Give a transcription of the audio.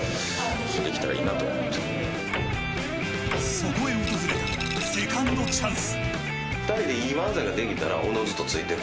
そこへ訪れたセカンドチャンス。